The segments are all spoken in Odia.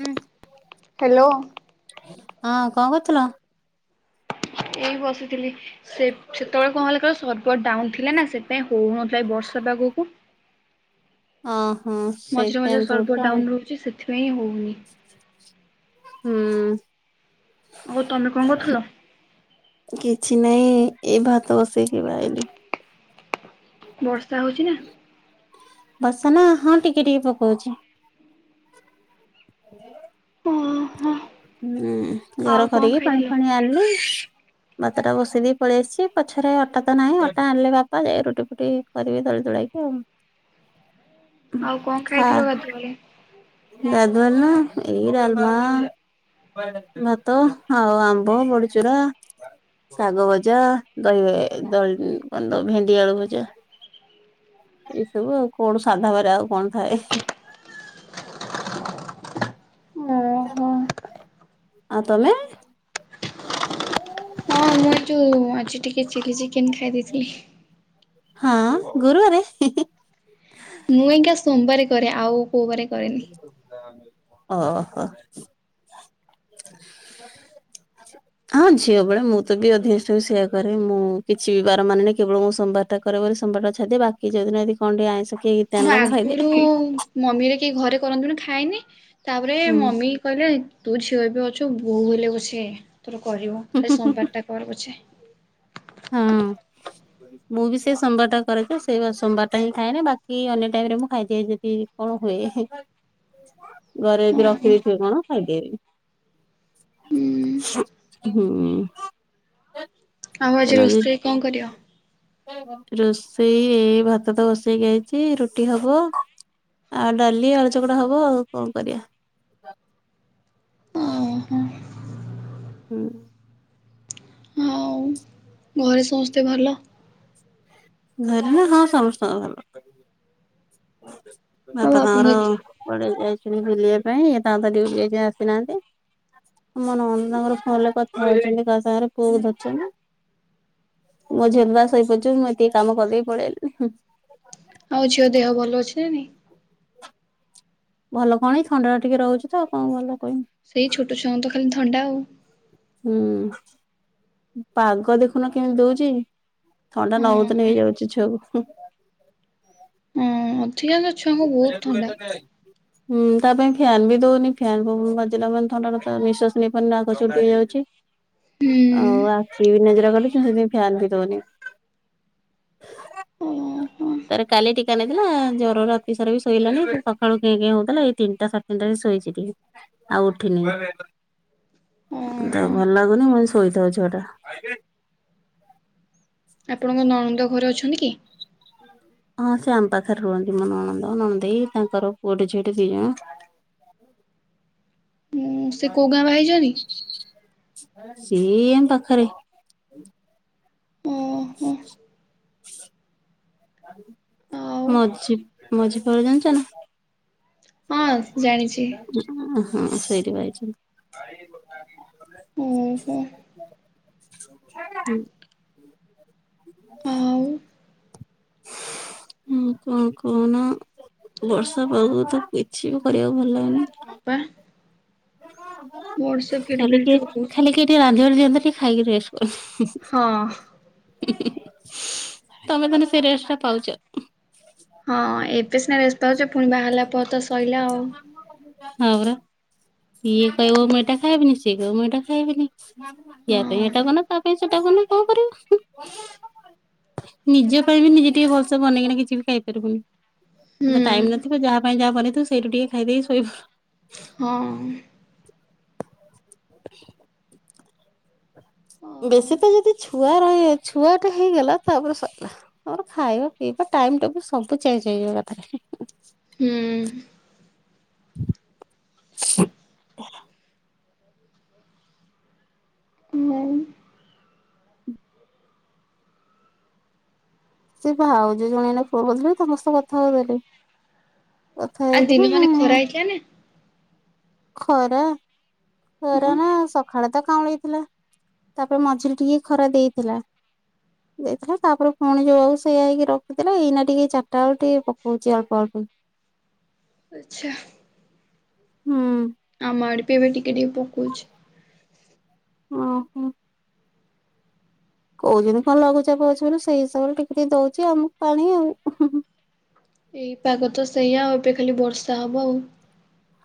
ହୁଁ ହ୍ୟାଲୋ। ହଁ କଁ କରୁଥିଲ? ଏଇ ବସିଥିଲି ସେ ସେତେବେଳେ କଁ ହେଲା କହିଲ ସର୍ଭର ଡାଉନ ଥିଲା ନା ସେଥପାଇଁ ହଉନଥିଲା, ଏ ବର୍ଷ ର୍ଷା ପାଗୁକୁ। ହ। ଅ ହଁ ସେଇଥପାଇଁ ଏମତି ହଉଚି ଆଉ। ଏଥିପାଇଁ ହଉନି। ହୁଁ। ଆଉ ତମେ କଁ କରୁଥିଲ? କିଛି ନାଇଁ ଏଇ ଭାତ ବସେଇକି ଏବେ ଆଇଲି। ବର୍ଷା ହଉଚି ନା। ବର୍ଷା ନା ହଁ ଟିକେ ଟିକେ ପକଉଛି। [unintelligible] ଓହୋ ହୁଁ ଆଉ ଘର କଣ କରିକି ପାଣି ଖାଇଥିଲ? ଫାଣି ଆଣଲି। ଭାତଟା ବସେଇ ଦେଇ ପଳେଇ ଆସଛି, ପଛରେ ଅଟା ତ ନାହିଁ, ଅଟା ଆଣିଲେ ବାପା ଯାଇ ରୁଟି ଫୁଟି କରିବି ଦଳି ଦୋଳି। ଯାଇକି ଆଉ। ଆଉ କଁ ଖାଇଥିଲ ଗାଧୁଆବେଳେ? ଗାଧୁଆ ବେଲ ନା ଏଇ ଡାଲମା। ଭାତ ଆଉ ଆମ୍ବ, ବଡିଚୁରା। ଶାଗ ଭଜା ଦହିବା, ଦହି କଣ ଭେଣ୍ଡି ଆଳୁ ଭଜା। ଏସବୁ ଆଉ କଣ ସାଧା ବାରେ ଆଉ କଣ ଥାଏ। ଓହୋ [unintelligible] ଆଉ ତମେ? ହଁ ମୁଁ ଯୋଉ ଆଜି ଟିକେ ଚିଲ୍ଲି ଚିକେନ ଖାଇ ଦେଇଥିଲି। ହଁ ଗୁରୁବାରେ। ମୁଁ ଆଜ୍ଞା ସୋମବାରେ କରେ, ଆଉ କୋଉ ବାରେ [unintelligible] କରେନି। ହଉଥିଲା ଆମେ। ଓହୋ। ହଁ ଝିଅ ବେଳେ ମୁଁ ତ ବି ଅଧିକାଂଶ ସମୟ ସେଇଆ କରେ ମୁଁ କିଛି ବାର ମାନେନି କେବଳ ମୁଁ ସୋମବାରଟା କରେ ବୋଲି। ସୋମବାର ଟାକୁ ଛାଡି ଦେଇକି ବାକି ଯୋଉଦିନ ଯଦି କଣ ଟିକେ ଆଇଁଷ କିଏ ଗିତେ ମୁଁ ଆଣିଲା ଖାଇଦିଏ। ଆଗୁରୁ ମମି କିଏ ଘରେ କରନ୍ତୁନି ଖାଇନି ତାପରେ ହୁଁ ମମି କହିଲେ ତୁ ଝିଅ ଏବେ ଅଛୁ। ତୁ ବୋହୂ ହେଲେ ପଛେ ତୋର କରିବୁ ଖାଲି ସୋମବାରଟା କର ପଛେ। ହଁ [unintelligible] ମୁଁ ବି ସେଇ ସୋମବାରଟା କରେ ତ ସେଇ ସୋମବାରଟା ହିଁ ଖାଏନି, ବାକି ଅନ୍ୟ ଟାଇମରେ ମୁଁ ଖାଇଦିଏ ଯଦି କଣ ହୁଏ। ଘରେ ଯଦି ରଖି ହୁଁ ଦେଇଥିବ କଣ। [unintelligible] ବି ହୁଁ। ଆଉ ଆଜି ରୋଷେଇ କଣ କର। ରୋଷେଇ ଏଇ ଭାତ ତ ବଷେଇ ଯାଇଛି ରୁଟି ହବ। ଆଉ ଡାଲି ଆଳଚଗଡା ହବ ଆଉ କଣ କରିବା। [unintelligible] ଓହୋ ହୁଁ। ହଉ। ଘରେ ସମସ୍ତେ ଭଲ। ଧାରନ ହଁ ସଂସାର । ବାପା ଆଉ ତାଙ୍କର ଆପଣଙ୍କ ପେଇ ଯାଇଛନ୍ତି ବୁଲିବା ପାଇଁ ଏ ତାଙ୍କ ତଡ ଯାଇ ଆସିନାହାନ୍ତି। ମୋ ନ ତାଙ୍କର ଫୋନରେ କଥାଛନ୍ତି ସାଙ୍ଗରେ ପୁଅକୁ ଧରିଛନ୍ତି। ମୋ ଝିଲ ବାସ ହେଇପାରୁଛ ମୁଁ ଟିକେ କାମ କର ପଳେଇଲିି। ଆଉ ଝିଅ ଦେହ ଭଲ ଅଛିି ଭଲ କଣ ଏଇ ଥଣ୍ଡା ଟିକେ ରହୁଛି ତ ଆ କଣ ଭଲ କହିମି। ସେଇ ଛୋଟ ଛୁଆ ତ ଖାଲି ଥଣ୍ଡା ଆଉ ହୁଁ ପାଗ ଦେଖୁନ କେମିତି ଦଉଛି ଥଣ୍ଡା ନ ହଉଦନ ହଁ। ହେଇଯାଉଛି ଛୁଆକୁ ହଁ ଅଧିକାଂଶ ଛୁଆଙ୍କୁ ବହୁତ ଥଣ୍ଡା ହୁଁ ତା ପାଇଁ ଫ୍ୟାାନ ବି ଦଉନି ଫ୍ୟାାନ ବାଜିଲା ମ ଥଣ୍ଡା ନିଶ୍ୱାସ ନେଇ ପାରୁନି ନାଗ ଛଟ ହେଇଯାଉଛି ହୁଁ। ଆଉ ଆଖି ବି ନଜର ଦ ଫାନ ବି ଦଉନି ଓହୋ ତାର କାଲି ଟିକା ନେଇଥିଲା ଜରର ସାର ବି ଶୋଇଲାଣି ସକାଳୁ କେହି କେହି ହଉଥିଲା ଏଇ ତିନିଟା ଢେ ତିିଟା ଶୋଇଛିିକ ଆଉ ଉଠିନି ହ ତ ଓହୋ ଭଲ ଲାଗୁନି ମୁ ଶୋଇଥାଉ ଝିଅଆ ଟା ଆପଣଙ୍କ ନଣନ୍ଦ ଘରେ ଅଛନ୍ତି କି ହଁ ଶ୍ୟମ ପାଖରେ ରୁହନ୍ତି ମନଣ ଦେଇ ତା କର ପୁଡ ଟ ବି ଯ [inaudible] ସେ କୋଉଁ ଗାଁ ବା ହେଛଛନ୍ତି ସେମ୍ ପାଖରେ ଓହୋ ଆଉ ମଝି ମଝି ପଡ ଜାଣିଛ ନା ହଁ ଜାଣିଛି ହ ସେ ଭାଇଚ ହୁଁ ହୁ [inaudible] ଆଉ ହଁ କଣ କଣ ବର୍ଷା ପାଳ ତ କିଛି ବି କରିବାକୁ ଭଲ ଲାଗୁନି ହଁ ପା ମୋର ସେ ଫିଡି ଖାଲି ଫିଡି କି ଯୋଉ ହଉଛି ଖାଲି କେଠି ରାଧ ଜୋରଅନ୍ତ ଟେ ଖାଇକି ରେଷ୍ଟ ହଁ। କଲେ ତମେ ତାନେ ସେରେସ ଟା ପାଉଛ ହଁ ଏବେ ସିନା ପାଛ ପୁଣି ବାହାରିଲା ପରେ ତ ସଇଲା ଆଉ ହଁରା ଇଏ କହିବ ମୁ ଏଇଟା ଖାଇବିନି ସିଏ କହିବ ମୁଇ ଏଇଟା ଖାଇବିନି ଇା ପାଇଁ ଏଇଟା ହଁ। ବନ ତା ପାଇଁ ସେଇଟା ବନ କଣ କରିବ ନିଜ ପାଇଁ ବି ନିଜେ ଟିକେ ଭଲସେ ବନେଇକିନା କିଛି ବି ଖାଇପାରିବୁନି ତ ଟାଇମ ହୁଁ ନଥିବ ଯାହା ପାଇଁ ଯାହା କରନିଥିବୁ ସେଇଠୁ ଟିକେ ଖାଇଦେଇ ଶୋଇବୁ ହଁ [inaudible] ଆଉ ବେଶୀ ତ ଯଦି ଛୁଆ ରହ ଛୁଆଟା ହେଇଗଲା ତାପରେ ସା ତାମର ଖାଇବା ପିଇବା ଟାଇମ ଟେବ ସବୁ ଚେଞ୍ଜ ହେଇଯିବ କଥାରେ ହୁଁ ହ ହଉ। ସେ ଭାଉଜ ଜଣେଇିଲ ପୁଅ ବଥିଲ ସମସ୍ତେ କଥା ହଉ ଦେଲେ ଅଥା ଆ ଦିନ ହେଇକିନି ମାନେ ମୁଁ ଖରା ହେଇଥିଲା ଖରା ନା ଅରା ହଁ ନାଁ ସଖାଳେ ତ କାଉଁଳେଇ ଥିଲା। ତାପରେ ମଝିରେ ଟିକେ ଖରା ଦେଇଥିଲା। ଦେଇଥିଲା ତାପରେ ପୁଣି ଯୋଉଆ ଉ ସେଇଆ ହେଇକି ରଖିଥିଲା ଏଇନା ଟିକେ ଚାରିଟା ଏଳୁ ଟିକେ ପକଉଚି ଅଳ୍ପ ଅଳ୍ ଉଁ ଉଚ୍ଛା। ଉଁ। ଆମ ଆଡ଼େ ବି ଏବେ ଟିକେ ଟିକ ପକଉଚି। ଉଁ ହୁଁ। କୋହୁଚନ୍ତି କଣ ଲଘୁଚାପ ଅଛି ବୋଲି ସେଇ ହିସାବରେ ଟିକେ ଟିକେ ଦଉଚି ଆମକୁ ପାଣି ଆଉ। ଏଇ ପାଗ ତ ସେଇଆ ଆଉ ଏବେ ଖାଲି ବର୍ଷା ହବ ଆଉ।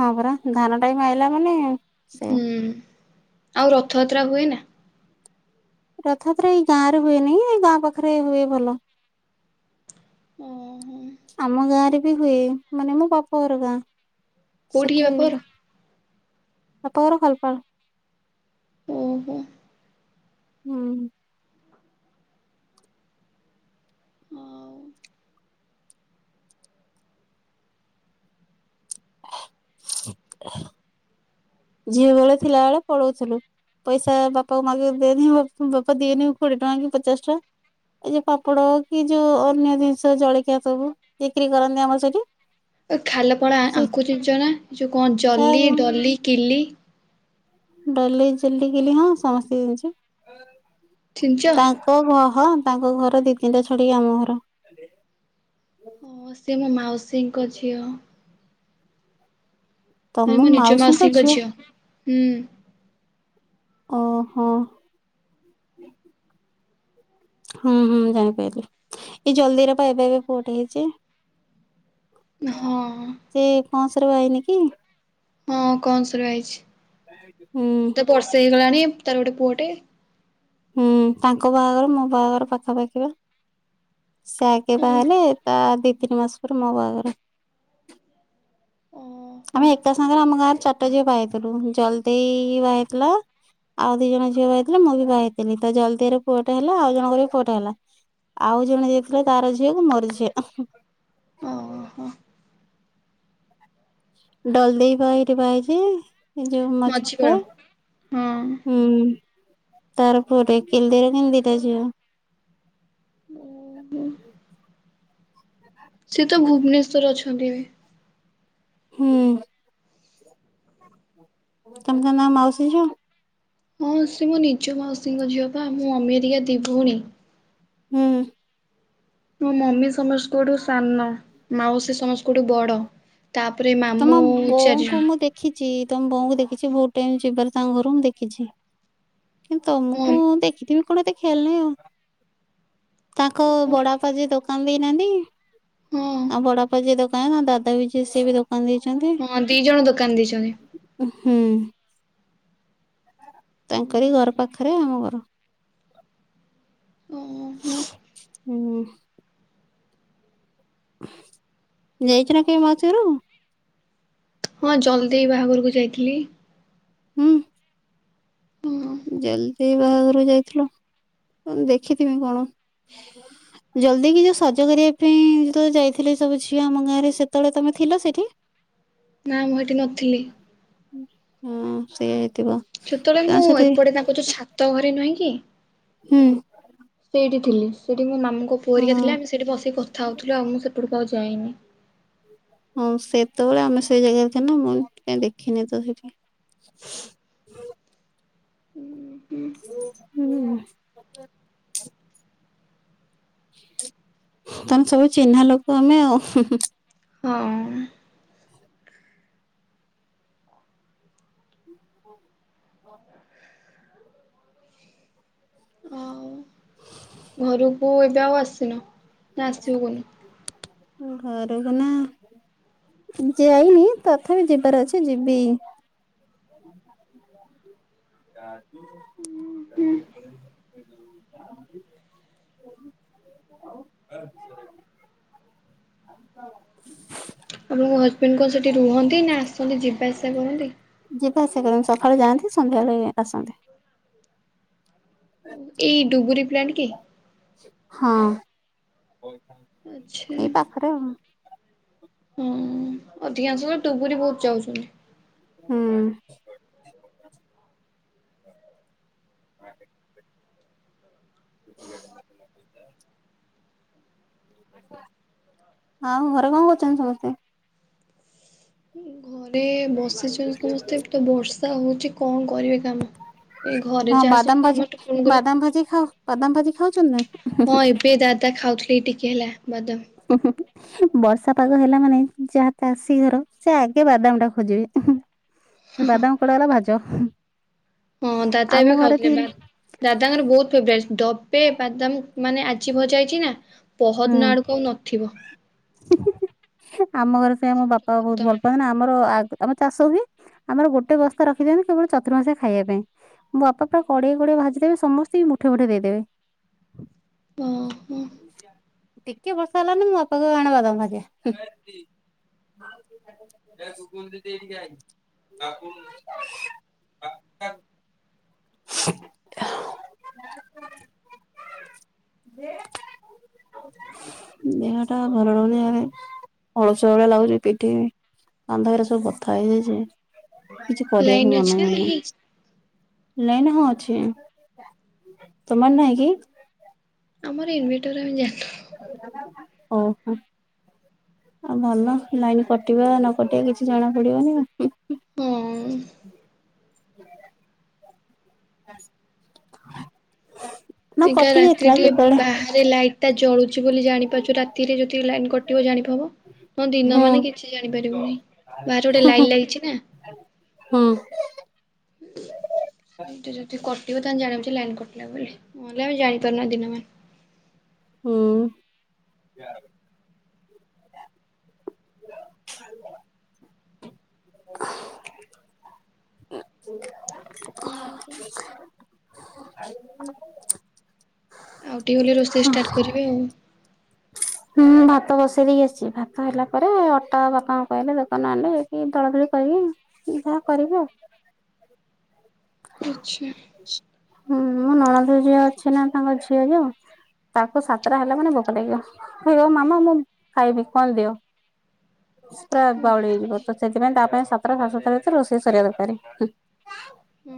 ହଁ ପରା ଧାନ ଟାଇମ୍ ଆଇଲା ମାନେ ସେ ହୁଁ ଆଉ ରଥଯାତ୍ରା ହୁଏ ନାଁ? ରଥଯାତ୍ରା ଏଇ ଗାଁରେ ହୁଏନେଇ ଏଇ ଗାଁରେ ପାଖରେ ହୁଏ ଭଲ। ଓହୋ ଆମ ଗାଁରେ ବି ହୁଏ ମାନେ ମୋ ବାପ ଘର ଗାଁ। କୋଉଠି କି ବାପଘର? ବାପଘର ଖାଲପାଳ। ଓହୋ। ହୁଁ। ଆଉ ଝିଅ ବେଳେ ଥିଲା ଏଳେ ପଳଉଥୁଲୁ। ପଇସା ବାପାଙ୍କୁ ମାଗେ ଦେନି ବା ବାପା ଦିଅନି କୋଡ଼ିଏ ଟଙ୍କା କି ପଚାଶ ଟଆଁ। ଏଇ ଯୋଉ ପାପଡ଼ କି ଯୋଉ ଅନ୍ୟ ଜିନିଷ ଜଳଖିଆ ସବୁ ବିକ୍ରି କରନ୍ତି ଆମର ସେଇଠି। ଏ ଖାଲପାଳ ଆଙ୍କୁ ଚିନଚନା ଯୋଉ କଁ ଜଲି, ଡଲି, କିଲି? ଡଲି, ଜୁଲି, କିଲି ହଁ ସମସ୍ତିଙ୍କି ଚିନିଚ? ଚିନଚି ତାଙ୍କ ଘ ହଁ ତାଙ୍କ ଘର ଦି ତିନିଟା ଛଡି଼କି ଆମ ଘର। ଓହୋ ସେ ମୋ ମାଉସୀଙ୍କ ଝିଅ। ତମ ମାନେ ମୋ ନିଜ ମାଉସୀଙ୍କ ଝିଅ? ହୁଁ ଅହ। ହୁଁ ହୁଁ ଜାଣିପାଇଲି ଏଇ ଜଲ୍ ଦେଇର ପା ଏବେ ଏବେ ପୁଅଟେ ହେଇଚି। ହଁ ସେ କଅଁସରେ ବା ହେଇନି କି? ହଁ କଂସରେ ବାହା ହେଇଛି ହୁଁ ତତେ ବର୍ଷେ ହେଇଗଲାଣି। ତାର ଗୋଟେ ପୁଅଟେ। ହୁଁ ତାଙ୍କ ବାହାଘର ମୋ ବାହାଘର ପାଖାପାଖି ବା। ସେ ଆଗେ ଓହୋ ବାହା ହେଲେ ତା ଦି ତିନି ମାସ ପରେ ମୋ ବାହାଘର। ଆମେ ଏକା ସାଙ୍ଗରେ ଆମ ଗାଁରେ ଚାରିଟା ଝିଅ ବାହା ହେଇଥିଲୁ ଜଲି ଦି ବାହା ହେଇଥିଲା ଆଉ ଦି ଜଣ ଝିଅ ବାହା ହେଇଥିଲେ ମୁଁ ବି ବାହା ହେଇଥିଲି ତ ଜଲ ଦେଇରେ ପୁଅଟେ ହେଲା ଆଉ ଜଣଙ୍କର ବି ପୁଅଟେ ହେଲା। ଆଉ ଜଣେ ଯିଏ ଥିଲା ତାର ଝିଅ କୁ ମୋର ଝିଅ। ଓହୋ ଡଲ୍ ଦେଇ ପା ଏଇଠି ବାହା ହେଇଚି। ଏ ଯୋଉ ମଝି ବେଳ ମଝିପାଳେ ହଁ। ହୁଁ। ତାର ପୁଅଟେ କିଲି ଦେଇର କିନ୍ତୁ ଦିଟା ଝିଅ। ସିଏ ତ ଭୁବନେଶ୍ଵର ଅଛନ୍ତି ଏବେ। ହୁଁ। ତମେ ତାନ ଆ ମାଉସୀ ଝିଅ? ହଁ ସେ ମୋ ନିଜ ମାଉସୀଙ୍କ ଝିଅ ପା ମୋ ମମି ହେରିକା ଦି ଭୋଉଣୀ। ହୁଁ। ମୋ ମମି ସମସକଠୁ ସାନ ମାଉସୀ ସମସକଠୁ ବଡ଼। ତାପରେ ମାମୁଁ ଚାରି ଜ ଚି ତମ ବୋଉଙ୍କୁ ଦେଖିଚି ବହୁତ ଟାଇମ ଯିବାରେ ତାଙ୍କ ଘରୁ ମୁଁ ଦେଖିଚି। କିନ୍ତୁ ମୋ ତମକୁ ଦେଖିଥିବି କଣ ଏତେ ଖିଆଲ ନାହିଁ ଆଉ। ତାଙ୍କ ବଡାବାପା ଯିଏ ଦୋକାନ ଦେଇନାହାନ୍ତି ହଁ ଆଉ ବଡବାପା ଯିଏ ଦୋକାନ କାଁ ଦାଦା ବି ଯିଏ ସିଏ ବି ଦୋକାନ ଦେଇଛନ୍ତି ହଁ ଦି ଜଣ ଦୋକାନ ଦେଇଚନ୍ତି। ହୁଁ। ତାଙ୍କରି ଘର ପାଖରେ ଆମ ଘର। ଓ ହଁ। ହୁଁ। ଯାଇଛ ନା କେବେ ମାଉସି ଘରୁ? ହଁ ଜଲଦି ବାହାଘରକୁ ଯାଇଥିଲି । ହୁଁ ହଁ। ଜଲଦି ବାହାଘରକୁ ଯାଇଥିଲ ଦେଖିଥିମି କଣ ଜଲ୍ଦି କି ଯୋଉ ସଜ କରିବା ପାଇଁ ଯେତେ ବେଳେ ଯାଇଥିଲେ ସବୁ ଝିଅ ଆମ ଗାଁରେ ସେତେବେଳେ ତମେ ଥିଲ ସେଇଠି ନା ମୁଁ ଏଠି ନଥିଲି ହଁ ସେଇଆ ହେଇଥିବ ସେ ପଟେ ତାଙ୍କ ତୋ ଛାତ ଘରେ ନୁହଁ କି? ହୁଁ ସେଇଠି ଥିଲି ସେଠି ମୋ ମାମୁଁଙ୍କ ପୁଅରିକା ହଁ ଥିଲା ଆମେ ସେଠି ବସିକି କଥା ହଉଥିଲୁ ଆଉ ମୁଁ ସେପଟକୁ ଆଉ ଯାଇନି ହଁ ସେତେବେଳେ ଆମେ ସେଇ ଜାଗାରେ ଥିନୁ ମୁଁ କା ଇଦେଖିନି ତ ସେଠି [unintelligible] ହୁଁ [unintelligible] ତମେ ସବୁ ଚିହ୍ନା ଲୋକ ଆମେ ଆଉ ହୁ ହୁ ହଁ ହ ହ ଆଉ ଘରକୁ ଏବେ ଆଉ ଆସିନ ନା ଆସିବୁ କନୁ ଓ ଘରୁ କୁ ନା ଯାଇନି ତଥାପି ଯିବାର ଅଛି ଯିବି [unintelligible] ଆଉ ଆ [unintelligible] ଆପଣଙ୍କ ହଜବେଣ୍ଡ କଣ ସେଠି ରୁହନ୍ତି ନା ଆସନ୍ତି ଯିବା ଆସିବା କରନ୍ତି? ଯିବା ଆସିବା କରନ୍ତୁ ସକାଳେ ଯାଆନ୍ତି ସନ୍ଧ୍ୟାବେଳେ ଆସନ୍ତି ଏଇ ଡୁବୁରି ପ୍ଲାନଟ କି? ହଁ ଆଚ୍ଛା ଏଇ ପାଖରେ ଆଉ। ହଁ ଅଧିକାଂଶ ଡୁବୁରି ବହୁତ ଯାଉଛନ୍ତି । [unintelligible] [unintelligible] ହଁ ଘରେ କଣ କରୁଛନ୍ତି ସମସ୍ତେ? ଘରେ ବସିଛନ୍ତି ସମସ୍ତେ ତ ବର୍ଷା ହଉଛି କଣ କରିବେ କାମ ଏଇ ଘରେ ହଁ ଯାହା ସବୁ ବାଦାମ କାମ ଭାଜି ଟୁକୁଙ୍କର ବାଦାମ ଭାଜି ଖାଅ ବାଦାମ ଭାଜି ଖାଉଛନ୍ତି ନା ହଁ ଏବେ ଦାଦା ଖାଉଥିଲି ଟିକେ ହେଲା ବାଦାମ ବର୍ଷା ପାଗ ହେଲା ମାନେ ଯାହା ଚାଷୀ ଘର ସେ ଆଗେ ବାଦାମ ଟା ଖୋଜିବେ ଉ ହୁ ବାଦାମ କୁଆଡେ ଗଲା ଭାଜ ହଁ ଦାଦା ଆମ ଏବେ ଘରେ ଖାଉଥିଲେ ବା ଥିଲେ ଦାଦାଙ୍କର ବହୁତ ଫେବଟ ପେ ବାଦାମ ମାନେ ଆଜି ଭଜାଇଛି ନା ପହଦ ନା ଆଡକୁ ଆଉ ନଥିବ ହୁ ହୁ ଆମ ଘରେ ପାଇଁ ଆମ ବାପା ବହୁତ ଭଲ ପାଆନ୍ତି ଆମର ଆ ଆମ ଚାଷ ହୁଏ । ଆମର ଗୋଟେ ବସ୍ତା ରଖିଦିଅନ୍ତି କେବଳ ଚତୁର ମାସିଆ ଖାଇବା ପାଇଁ ମୋ ବାପା ପୁରା କଡେଇଏ କଡେଇଏ ଭାଜିଦେବେ ସମସ୍ ଇକି ମୁଠେ ମୁଠେ ଦେଇଦେବେ। ହଁ ହଁ ଟିକେ ବର୍ଷା ହେଲା ମାନେ ମୋ ବାପା କହିବେ ଆଣେ ବାଦାମ ଭାଜିବା ହୁଁ। ଏ କୁକୁନ ଦିଦି ଏଇଠିକି ଆଇ ବାପୁନ ବାପୁନ ଖା ଦେହଟା ଭଲ ରହୁନି ଆରେ ଅଳସୁଆ ଭଳିଆ ଲାଗୁଚି ପିଠି କାନ୍ଧା ଏରା ସବୁ ବଥା ହେଇଯାଇଚି। କିଛି ଲାଇନ କରିବାକୁ ଅଛି ମନ ନା ନାହିଁ? ହୋଉନି। ନାଇନି ହଁ ଅଛି ତମର ନହିଁ କି। ଆମର ଇନଭେଟର ଆମେ ଯା ଓହୋ। ଆଉ ଭଲ ଲାଇନି କଟିବ ନ କଟିବ କିଛି ଜଣା ପଡିବନି ହୁଁ। ହୁଁ। ହଁ ଏକା ରାତିରେ ଟିକେ ବାହାରେ ଲାଇଟଟା ଜଳୁ ଳୁଚି ବୋଲି ଜାଣିପାରଚୁ ରାତିରେ ଯଦି ଲାଇନ୍ କଟିବ ଜାଣିପା ହବ ହଁ ଦିନ ହୁଁ ମାନେ କିଛି ଜାଣିପାରିବୁନେହି ବାହାରେ ଗୋଟେ ଲାଇଟ୍ ଲାଗିଛି ନା। ହଁ। ଏଇଟା ଯଦି କ ଟିବ ତାହାଲେ ଜାଣିବ ଯେ ଲାଇନ୍ କାଟିଲା ବୋଲି, ନହେଲେ ଆମେ ଜାଣିପାରୁନା ଦିନ ମାନ। ହୁଁ। ହଁ ହଉ ଆଉ କଣ ଆ ଆଉ ଟିକେ ଗଲେ ରୋଷେଇ ଷ୍ଟାର୍ଟ କରିବେ ଆଉ। ହୁଁ ଭାତ ବସେଇ ଦେଇକି ଆସଚି ଭାତ ହେଲା ପରେ ଅଟା ବାପାଙ୍କୁ କହିଲେ ଦୋକାନ ଆଣିଲ ଯାଇକି ଦଳାଦଳି କରି ଉଁ ଯାହା କରିବି ଆଉ। ଆଛା। ହୁଁ ମୋ ନଣଦେଇ ଯିଏ ଅଛି ନା ତାଙ୍କ ଝିଅ ଯୋଉ ତାକୁ ସାତଟା ହେଲା ମାନେ ଭୋକ ଲାଗିବ କହିବ ମାମା ମୁଁ ଖାଇବି କଣ ଦିଅ। ପୁରା ବାଉଳି ହେଇଯିବ ତ ସେଥିପାଇଁ ତା ପାଇଁ ସାତଟା ସାଢେ ସାତଟା ଭିତରେ ରୋଷେଇ ସରିବା ଦରକାରେ। ହ